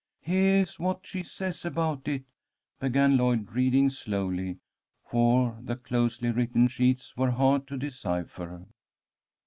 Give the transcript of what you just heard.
"Heah is what she says about it," began Lloyd, reading slowly, for the closely written sheets were hard to decipher.